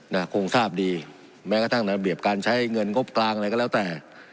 นะคงทราบดีแม้กระทั่งระเบียบการใช้เงินงบกลางอะไรก็แล้วแต่